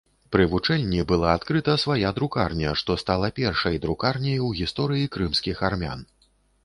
Пры вучэльні была адкрыта свая друкарня, што стала першай друкарняй у гісторыі крымскіх армян.